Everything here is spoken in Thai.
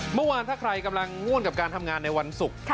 เมื่อวานถ้าใครกำลังง่วนกับการทำงานในวันศุกร์